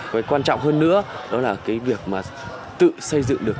cái quan trọng hơn nữa đó là cái việc mà tự xây dựng được